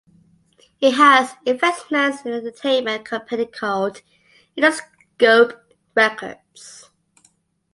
He has investments in an entertainment company called Interscope Records.